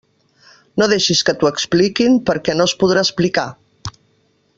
No deixis que t'ho expliquin, perquè no es podrà explicar!